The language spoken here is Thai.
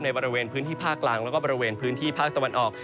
บริเวณพื้นที่ภาคกลางแล้วก็บริเวณพื้นที่ภาคตะวันออก